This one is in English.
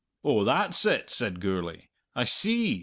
"Oh, that's it!" said Gourlay. "I see!